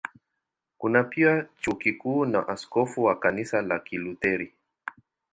Kuna pia Chuo Kikuu na askofu wa Kanisa la Kilutheri.